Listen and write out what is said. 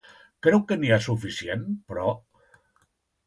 Creu que n'hi ha suficient, però?